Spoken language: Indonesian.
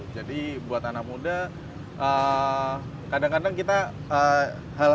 jadi buat anak muda kadang kadang kita hal halnya